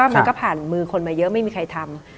มันก็ผ่านมือคนมาเยอะไม่มีใครทำ